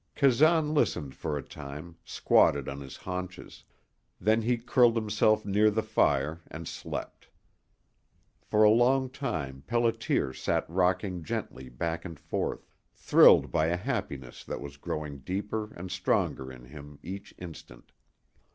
Kazan listened for a time, squatted on his haunches. Then he curled himself near the fire and slept. For a long time Pelliter sat rocking gently back and forth, thrilled by a happiness that was growing deeper and stronger in him each instant.